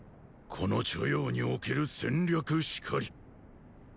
この著雍における戦略しかり。